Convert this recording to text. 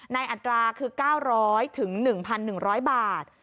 อัตราคือ๙๐๐๑๑๐๐บาท